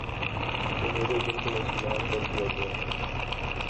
کہ میرے جن کو مسلمان کر دیا گیا ہے